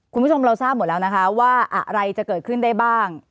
คุณผู้ชมเราทราบหมดแล้วนะคะว่าอะไรจะเกิดขึ้นได้บ้าง